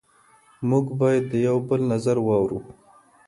موږ باید د یو بل نظر واورو.